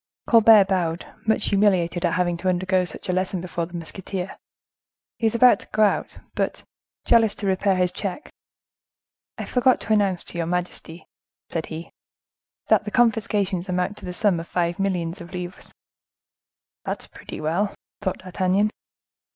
Colbert bowed, much humiliated at having to undergo such a lesson before the musketeer; he was about to go out, but, jealous to repair his check: "I forgot to announce to your majesty," said he, "that the confiscations amount to the sum of five millions of livres." "That's pretty well!" thought D'Artagnan.